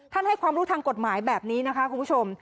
ให้ความรู้ทางกฎหมายแบบนี้นะคะคุณผู้ชม